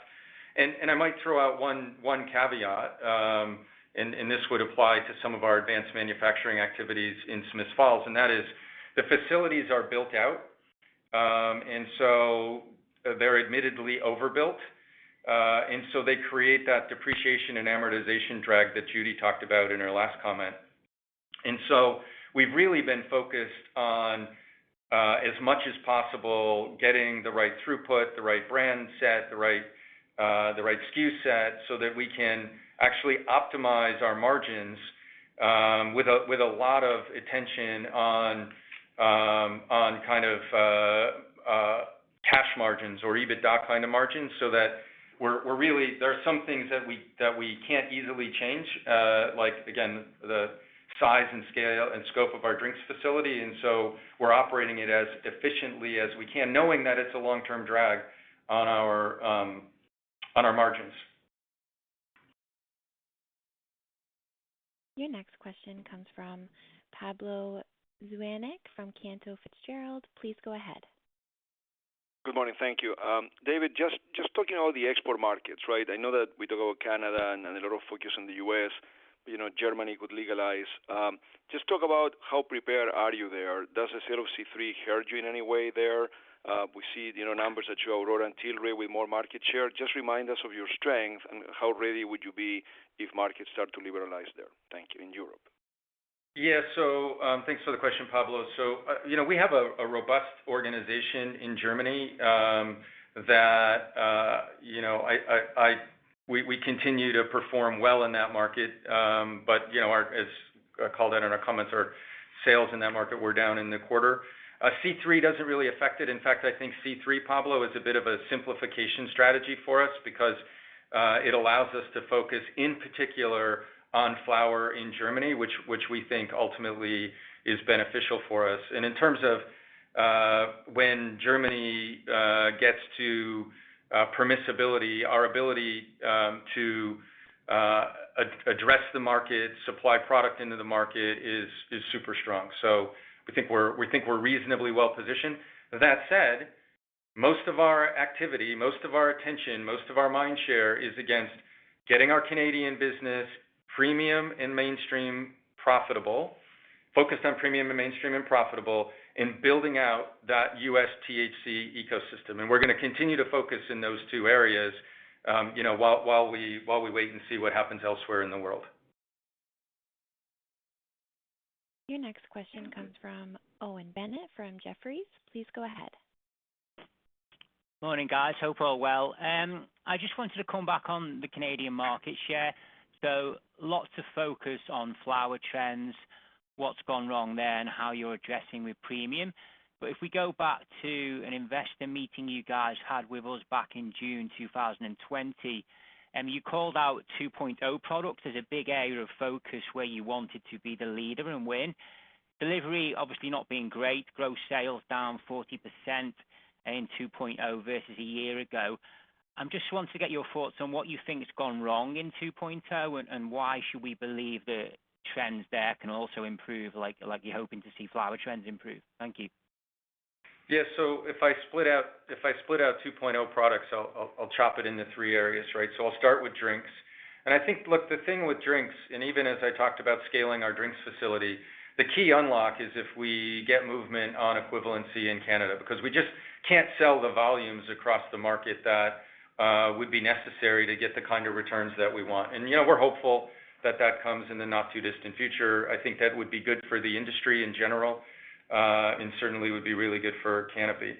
I might throw out one caveat, and this would apply to some of our advanced manufacturing activities in Smith's Falls, and that is the facilities are built out, and so they're admittedly overbuilt. They create that depreciation and amortization drag that Judy talked about in her last comment. We've really been focused on as much as possible getting the right throughput, the right brand set, the right SKU set so that we can actually optimize our margins with a lot of attention on kind of cash margins or EBITDA kind of margins so that we're really, there are some things that we can't easily change, like again, the size and scale and scope of our drinks facility, and so we're operating it as efficiently as we can, knowing that it's a long-term drag on our margins. Your next question comes from Pablo Zuanic from Cantor Fitzgerald. Please go ahead. Good morning. Thank you. David, just talking about the export markets, right? I know that we talk about Canada and a lot of focus on the U.S. You know, Germany could legalize. Just talk about how prepared are you there. Does the CLOC three hurt you in any way there? We see, you know, numbers that show Aurora and Tilray with more market share. Just remind us of your strength and how ready would you be if markets start to liberalize there, thank you, in Europe. Yeah, thanks for the question, Pablo. You know, we have a robust organization in Germany that we continue to perform well in that market. But you know, as I called out in our comments, our sales in that market were down in the quarter. C³ doesn't really affect it. In fact, I think C³, Pablo, is a bit of a simplification strategy for us because it allows us to focus in particular on flower in Germany, which we think ultimately is beneficial for us. In terms of when Germany gets to permissibility, our ability to address the market, supply product into the market is super strong. We think we're reasonably well positioned. That said, most of our activity, most of our attention, most of our mind share is against getting our Canadian business premium and mainstream profitable. Focused on premium and mainstream and profitable, and building out that U.S. THC ecosystem. We're gonna continue to focus in those two areas, you know, while we wait and see what happens elsewhere in the world. Your next question comes from Owen Bennett from Jefferies. Please go ahead. Morning, guys. Hope all well. I just wanted to come back on the Canadian market share. Lots of focus on flower trends, what's gone wrong there, and how you're addressing with premium. If we go back to an investor meeting you guys had with us back in June 2020, you called out 2.0 products as a big area of focus where you wanted to be the leader and win. Delivery obviously not being great. Gross sales down 40% in 2.0 versus a year ago. I just want to get your thoughts on what you think has gone wrong in 2.0, and why should we believe the trends there can also improve like you're hoping to see flower trends improve. Thank you. Yeah, if I split out 2.0 products, I'll chop it into three areas, right? I'll start with drinks. I think. Look, the thing with drinks, even as I talked about scaling our drinks facility, the key unlock is if we get movement on equivalency in Canada. Because we just can't sell the volumes across the market that would be necessary to get the kind of returns that we want. You know, we're hopeful that that comes in the not too distant future. I think that would be good for the industry in general, and certainly would be really good for Canopy.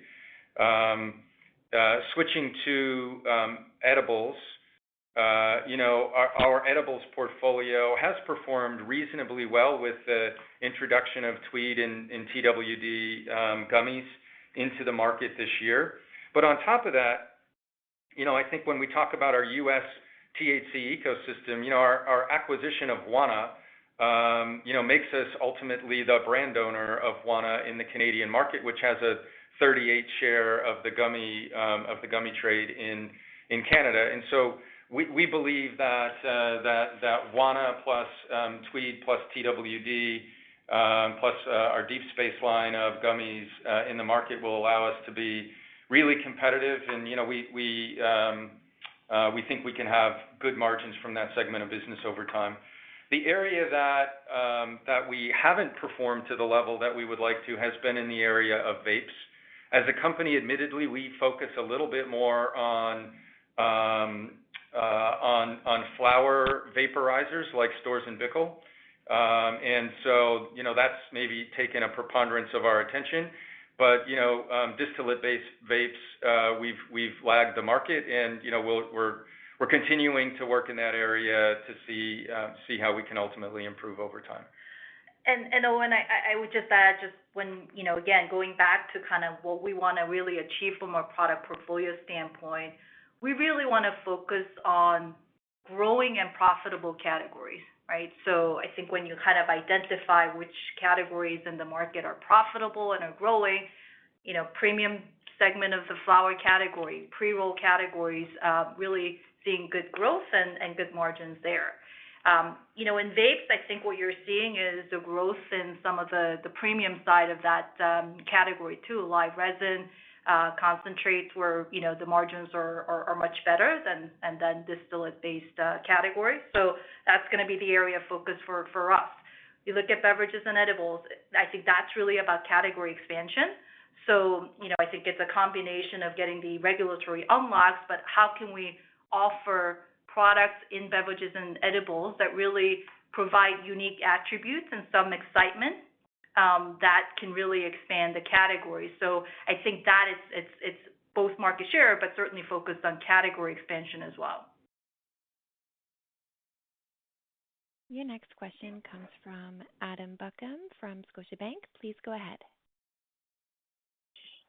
Switching to edibles. You know, our edibles portfolio has performed reasonably well with the introduction of Tweed and Twd. gummies into the market this year. On top of that, you know, I think when we talk about our U.S. THC ecosystem, you know, our acquisition of Wana makes us ultimately the brand owner of Wana in the Canadian market, which has a 38% share of the gummy trade in Canada. We believe that Wana plus Tweed plus Twd. plus our Deep Space line of gummies in the market will allow us to be really competitive and, you know, we think we can have good margins from that segment of business over time. The area that we haven't performed to the level that we would like to has been in the area of vapes. As a company, admittedly, we focus a little bit more on flower vaporizers like Storz & Bickel. You know, that's maybe taken a preponderance of our attention. You know, distillate-based vapes, we've lagged the market and, you know, we're continuing to work in that area to see how we can ultimately improve over time. Owen, I would just add, just when, you know, again, going back to kind of what we wanna really achieve from a product portfolio standpoint, we really wanna focus on growing and profitable categories, right? So I think when you kind of identify which categories in the market are profitable and are growing, you know, premium segment of the flower category, pre-roll categories are really seeing good growth and good margins there. You know, in vapes, I think what you're seeing is the growth in some of the premium side of that category too, like resin concentrates where, you know, the margins are much better than distillate-based categories. So that's gonna be the area of focus for us. You look at beverages and edibles, I think that's really about category expansion. You know, I think it's a combination of getting the regulatory unlocks, but how can we offer products in beverages and edibles that really provide unique attributes and some excitement that can really expand the category. I think that it's both market share, but certainly focused on category expansion as well. Your next question comes from Adam Buckham from Scotiabank. Please go ahead.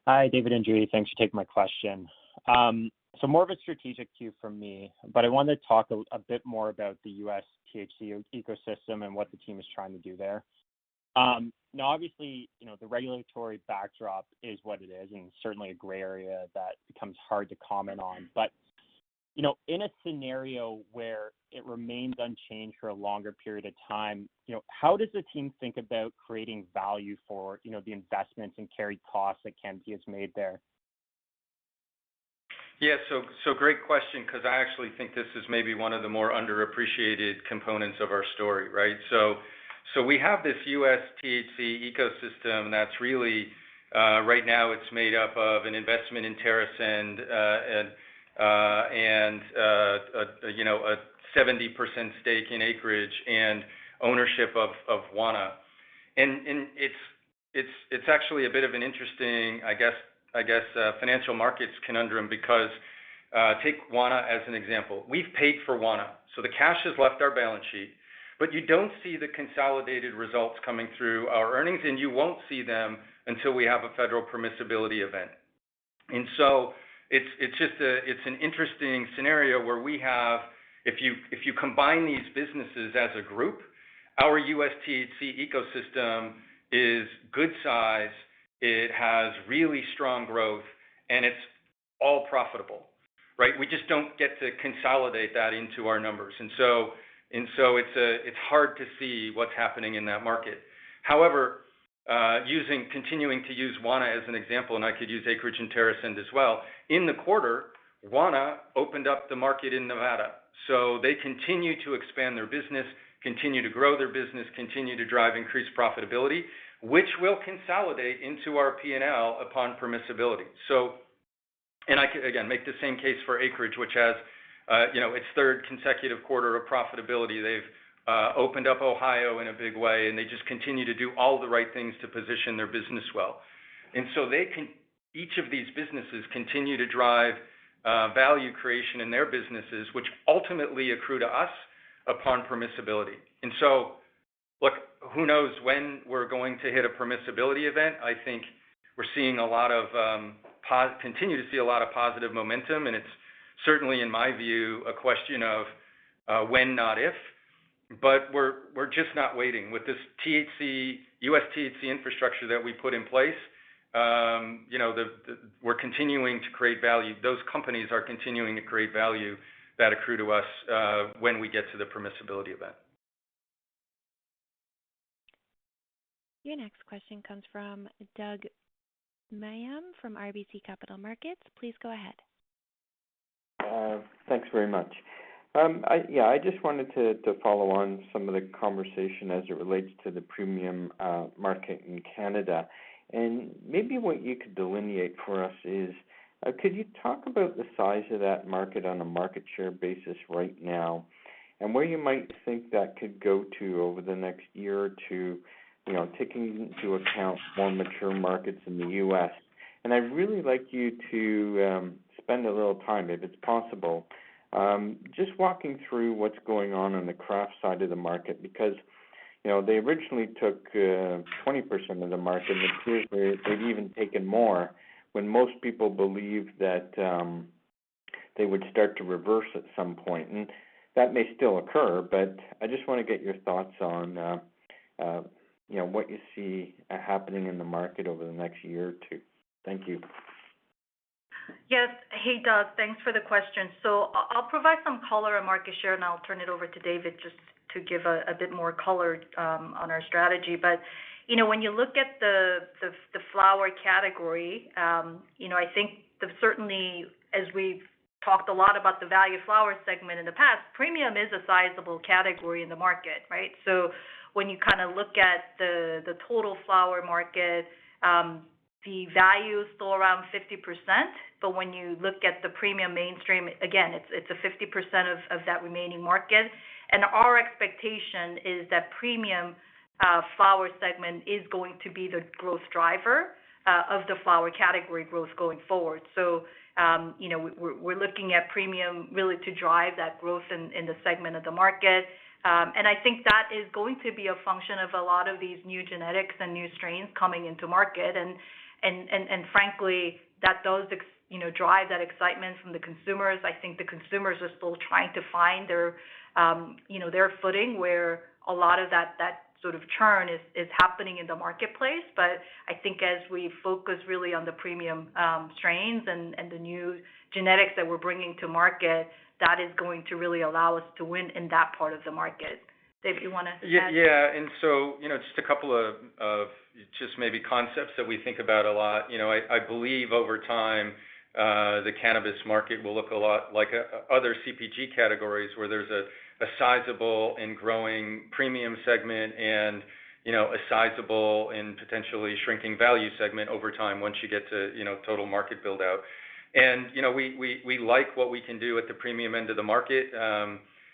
Hi, David and Judy. Thanks for taking my question. More of a strategic cue from me, but I wanted to talk a bit more about the U.S. THC ecosystem and what the team is trying to do there. Now obviously, you know, the regulatory backdrop is what it is, and certainly a gray area that becomes hard to comment on. You know, in a scenario where it remains unchanged for a longer period of time, you know, how does the team think about creating value for, you know, the investments and carry costs that Canopy has made there? Yeah. So great question, because I actually think this is maybe one of the more underappreciated components of our story, right? So we have this U.S. THC ecosystem that's really right now made up of an investment in TerrAscend and you know a 70% stake in Acreage and ownership of Wana. It's actually a bit of an interesting I guess financial markets conundrum because take Wana as an example. We've paid for Wana, so the cash has left our balance sheet. You don't see the consolidated results coming through our earnings, and you won't see them until we have a federal permissibility event. It's just an interesting scenario where we have if you combine these businesses as a group, our U.S. THC ecosystem is good size, it has really strong growth, and it's all profitable, right? We just don't get to consolidate that into our numbers. It's hard to see what's happening in that market. However, continuing to use Wana as an example, and I could use Acreage and TerrAscend as well, in the quarter, Wana opened up the market in Nevada, so they continue to expand their business, continue to grow their business, continue to drive increased profitability, which will consolidate into our P&L upon permissibility. I could, again, make the same case for Acreage, which has its third consecutive quarter of profitability. They've opened up Ohio in a big way, and they just continue to do all the right things to position their business well. Each of these businesses continue to drive value creation in their businesses, which ultimately accrue to us upon permissibility. Look, who knows when we're going to hit a permissibility event. I think we continue to see a lot of positive momentum, and it's certainly, in my view, a question of when, not if. We're just not waiting. With this THC U.S. THC infrastructure that we put in place, you know, we're continuing to create value. Those companies are continuing to create value that accrue to us when we get to the permissibility event. Your next question comes from Doug Miehm from RBC Capital Markets. Please go ahead. Thanks very much. Yeah, I just wanted to follow on some of the conversation as it relates to the premium market in Canada. Maybe what you could delineate for us is, could you talk about the size of that market on a market share basis right now, and where you might think that could go to over the next year or two, you know, taking into account more mature markets in the US? I'd really like you to spend a little time, if it's possible, just walking through what's going on on the craft side of the market, because, you know, they originally took 20% of the market, and it appears they've even taken more when most people believed that they would start to reverse at some point. that may still occur, but I just wanna get your thoughts on, you know, what you see happening in the market over the next year or two. Thank you. Yes. Hey, Doug. Thanks for the question. I'll provide some color on market share, and I'll turn it over to David just to give a bit more color on our strategy. You know, when you look at the flower category, I think certainly, as we've talked a lot about the value flower segment in the past, premium is a sizable category in the market, right? When you kind of look at the total flower market, the value is still around 50%, but when you look at the premium mainstream, again, it's a 50% of that remaining market. Our expectation is that premium flower segment is going to be the growth driver of the flower category growth going forward. You know, we're looking at premium really to drive that growth in the segment of the market. I think that is going to be a function of a lot of these new genetics and new strains coming into market and frankly drive that excitement from the consumers. I think the consumers are still trying to find their you know their footing where a lot of that sort of churn is happening in the marketplace. I think as we focus really on the premium strains and the new genetics that we're bringing to market, that is going to really allow us to win in that part of the market. Dave, you wanna add? Yeah. Yeah. You know, just a couple of just maybe concepts that we think about a lot. You know, I believe over time, the cannabis market will look a lot like other CPG categories, where there's a sizable and growing premium segment and, you know, a sizable and potentially shrinking value segment over time once you get to, you know, total market build-out. You know, we like what we can do at the premium end of the market.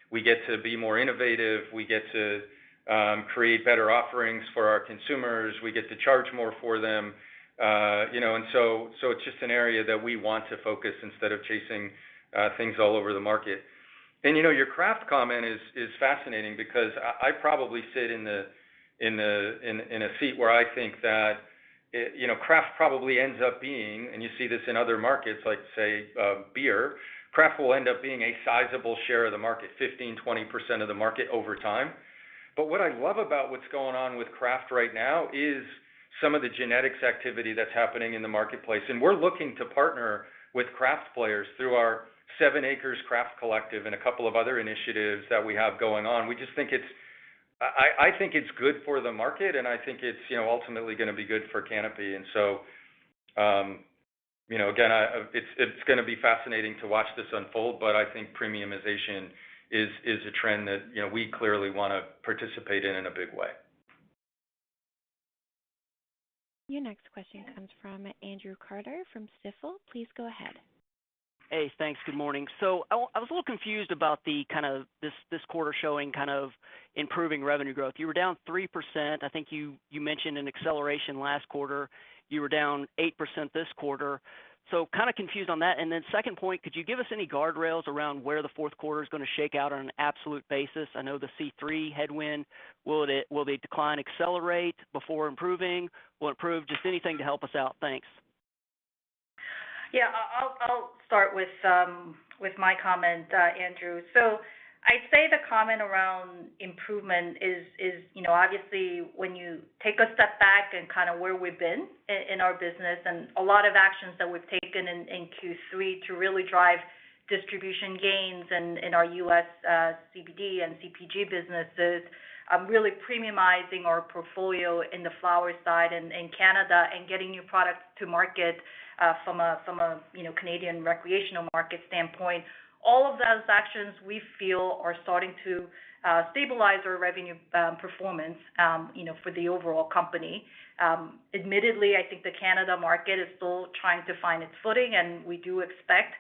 We get to be more innovative. We get to create better offerings for our consumers. We get to charge more for them. You know, so it's just an area that we want to focus instead of chasing things all over the market. You know, your craft comment is fascinating because I probably sit in a seat where I think that it. You know, craft probably ends up being, and you see this in other markets like, say, beer, craft will end up being a sizable share of the market, 15%-20% of the market over time. But what I love about what's going on with craft right now is some of the genetics activity that's happening in the marketplace, and we're looking to partner with craft players through our 7ACRES Craft Collective and a couple of other initiatives that we have going on. We just think it's good for the market, and I think it's, you know, ultimately gonna be good for Canopy. You know, again, it's gonna be fascinating to watch this unfold, but I think premiumization is a trend that, you know, we clearly wanna participate in a big way. Your next question comes from Andrew Carter from Stifel. Please go ahead. Hey, thanks. Good morning. I was a little confused about the kind of this quarter showing kind of improving revenue growth. You were down 3%. I think you mentioned an acceleration last quarter. You were down 8% this quarter. Kinda confused on that. Then second point, could you give us any guardrails around where the fourth quarter is gonna shake out on an absolute basis? I know the C³ headwind. Will the decline accelerate before improving? Will it improve? Just anything to help us out. Thanks. Yeah. I'll start with my comment, Andrew. I'd say the comment around improvement is, you know, obviously when you take a step back in kind of where we've been in our business and a lot of actions that we've taken in Q3 to really drive distribution gains in our U.S. CBD and CPG businesses, really premiumizing our portfolio in the flower side in Canada and getting new products to market from a you know, Canadian recreational market standpoint. All of those actions we feel are starting to stabilize our revenue performance, you know, for the overall company. Admittedly, I think the Canada market is still trying to find its footing, and we do expect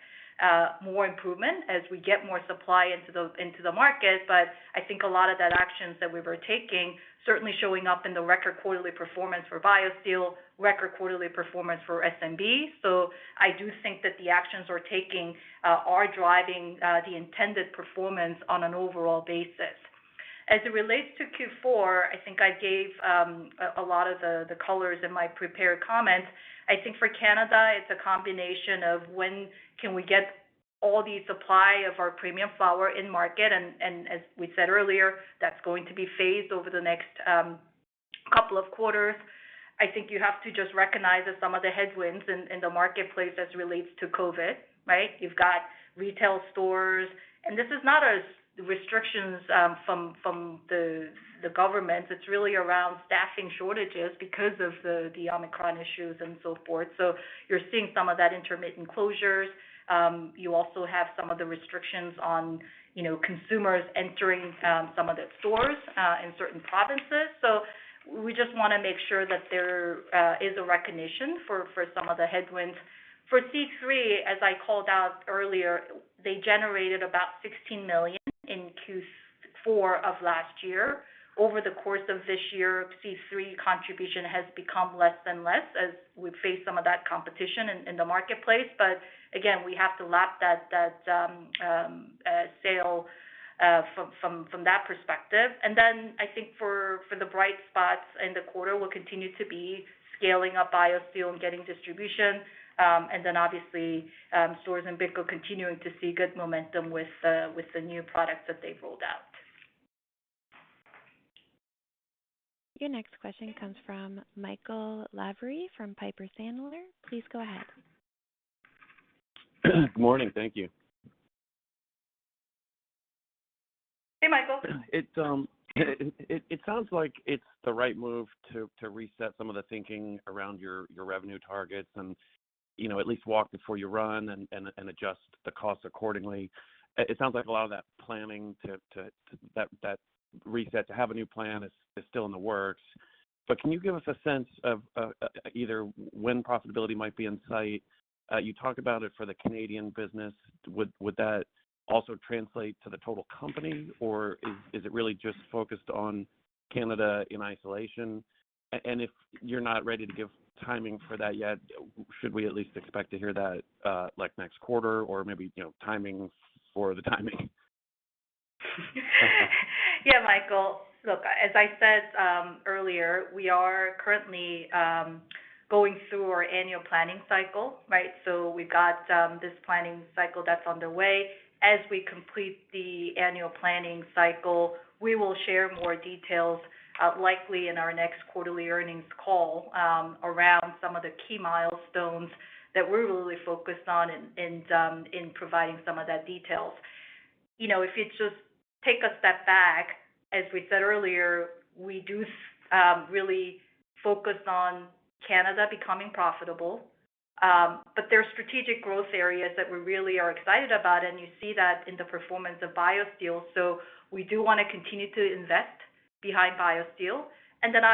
more improvement as we get more supply into the market. I think a lot of the actions that we were taking certainly showing up in the record quarterly performance for BioSteel, record quarterly performance for S&B. I do think that the actions we're taking are driving the intended performance on an overall basis. As it relates to Q4, I think I gave a lot of the colors in my prepared comments. I think for Canada, it's a combination of when can we get all the supply of our premium flower in market, and as we said earlier, that's going to be phased over the next couple of quarters. I think you have to just recognize that some of the headwinds in the marketplace as it relates to COVID-19, right? You've got retail stores. This is not just restrictions from the government. It's really around staffing shortages because of the Omicron issues and so forth. You're seeing some of that intermittent closures. You also have some of the restrictions on, you know, consumers entering, some of the stores in certain provinces. We just wanna make sure that there is a recognition for some of the headwinds. For C³, as I called out earlier, they generated about 16 million in Q4 of last year. Over the course of this year, C³ contribution has become less and less as we face some of that competition in the marketplace. Again, we have to lap that sale from that perspective. I think for the bright spots in the quarter will continue to be scaling up BioSteel and getting distribution, and then obviously, Storz & Bickel continuing to see good momentum with the new products that they've rolled out. Your next question comes from Michael Lavery from Piper Sandler. Please go ahead. Good morning. Thank you. Hey, Michael. It sounds like it's the right move to reset some of the thinking around your revenue targets and, you know, at least walk before you run and adjust the cost accordingly. It sounds like a lot of that planning. That reset to have a new plan is still in the works. Can you give us a sense of either when profitability might be in sight? You talked about it for the Canadian business. Would that also translate to the total company, or is it really just focused on Canada in isolation? And if you're not ready to give timing for that yet, should we at least expect to hear that, like, next quarter or maybe, you know, timing for the timing? Yeah, Michael. Look, as I said, earlier, we are currently going through our annual planning cycle, right? We've got this planning cycle that's underway. As we complete the annual planning cycle, we will share more details, likely in our next quarterly earnings call, around some of the key milestones that we're really focused on in providing some of that details. You know, if you just take a step back, as we said earlier, we do really focus on Canada becoming profitable. There are strategic growth areas that we really are excited about, and you see that in the performance of BioSteel. We do wanna continue to invest behind BioSteel.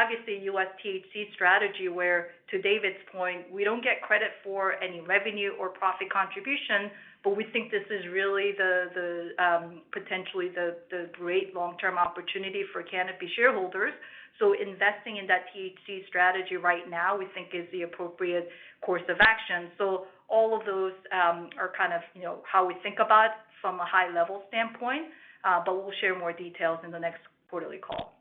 Obviously, U.S. THC strategy, where to David's point, we don't get credit for any revenue or profit contribution, but we think this is really the potentially great long-term opportunity for Canopy shareholders. Investing in that THC strategy right now, we think is the appropriate course of action. All of those are kind of, you know, how we think about from a high-level standpoint, but we'll share more details in the next quarterly call.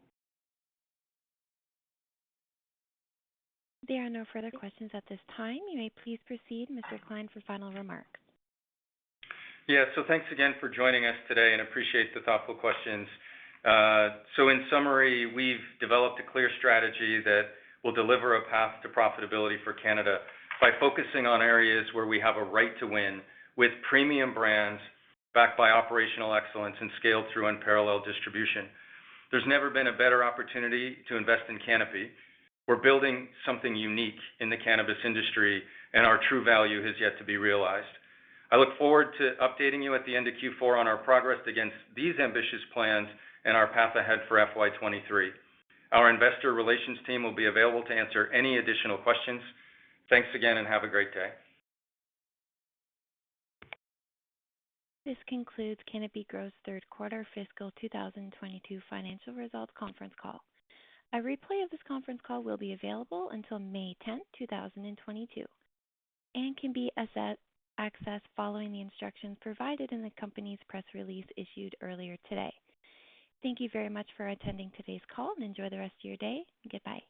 There are no further questions at this time. You may please proceed, Mr. Klein, for final remarks. Yeah. Thanks again for joining us today and appreciate the thoughtful questions. In summary, we've developed a clear strategy that will deliver a path to profitability for Canada by focusing on areas where we have a right to win with premium brands backed by operational excellence and scaled through unparalleled distribution. There's never been a better opportunity to invest in Canopy. We're building something unique in the cannabis industry, and our true value has yet to be realized. I look forward to updating you at the end of Q4 on our progress against these ambitious plans and our path ahead for FY 2023. Our investor relations team will be available to answer any additional questions. Thanks again, and have a great day. This concludes Canopy Growth's third quarter fiscal 2022 financial results conference call. A replay of this conference call will be available until May 10, 2022 and can be accessed following the instructions provided in the company's press release issued earlier today. Thank you very much for attending today's call, and enjoy the rest of your day. Goodbye.